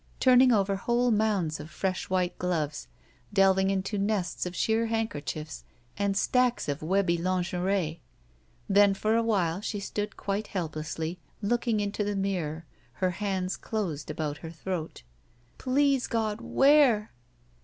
Turning over whole mounds of fresh white gloves, delving into nests of sheer handkerchiefs and stacks of webby lingerie. Then for a while she stood quite helplessly, looking into the mirror, her hands closed about her throat, 50 SHE WALKS IN BEAUTY •Tlease, God, where?"